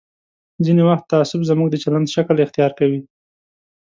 ځینې وخت تعصب زموږ د چلند شکل اختیار کوي.